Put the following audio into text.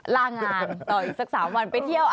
ลางานต่ออีกสัก๓วันไปเที่ยว